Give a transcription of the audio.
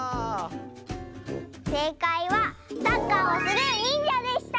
せいかいはサッカーをするにんじゃでした！